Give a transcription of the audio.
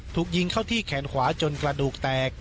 ถูกยิงเข้าที่แขนขวาจนกระดูกแตก